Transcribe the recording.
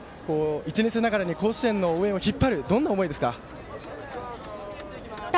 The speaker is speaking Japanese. １年生ながら甲子園の応援を引っ張るどんな思いですか？